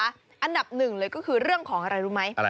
อันดับหนึ่งเลยก็คือเรื่องของอะไรรู้ไหม